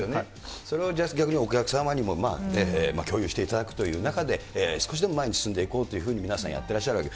それを逆にお客様にも共有していただくという中で、少しでも前に進んでいこうというふうに皆さん、やってらっしゃるわけで。